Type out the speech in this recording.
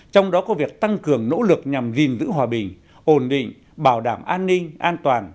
trong đó có việc tăng cường nỗ lực nhằm gìn giữ hòa bình ổn định bảo đảm an ninh an toàn